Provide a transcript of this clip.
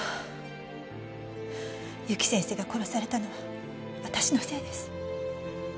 ゆき先生が殺されたのは私のせいです。